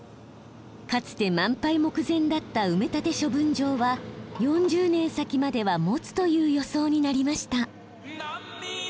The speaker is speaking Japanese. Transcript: かつて満杯目前だった埋め立て処分場は４０年先まではもつという予想になりました。